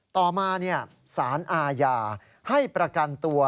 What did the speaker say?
ต่อมาสารอาญาให้ประกันตัว